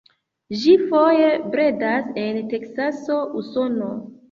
Ĝi foje bredas en Teksaso, Usono.